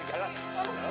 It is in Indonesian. sekarang gua sakit dulu